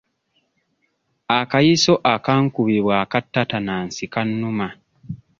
Akayiso akakubibwa aka tetanasi kannuma.